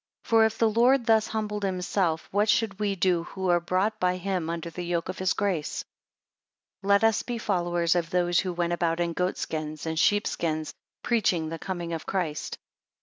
For if the Lord thus humbled himself, what should we do who are brought by him under the yoke of his grace? 17 Let us be followers of those who went about in goat skins, and sheep skins; preaching the coming of Christ.